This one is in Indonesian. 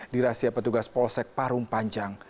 dirahasia petugas polsek parung panjang